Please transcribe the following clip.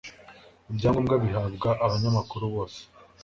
ibyangombwa bihabwa abanyamakuru bose